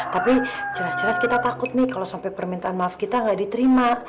tapi jelas jelas kita takut nih kalau sampai permintaan maaf kita nggak diterima